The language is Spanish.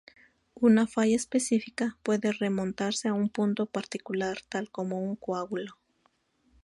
Una "falla específica" puede remontarse a un punto particular, tal como un coágulo.